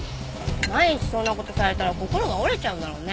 毎日そんな事されたら心が折れちゃうだろうね。